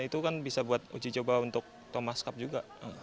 itu kan bisa buat uji coba untuk thomas cup juga